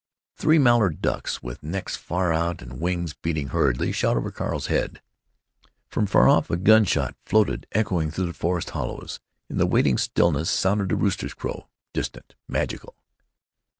Three mallard ducks, with necks far out and wings beating hurriedly, shot over Carl's head. From far off a gun shot floated echoing through forest hollows; in the waiting stillness sounded a rooster's crow, distant, magical.